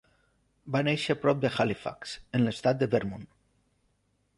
Va néixer prop de Halifax, en l'estat de Vermont.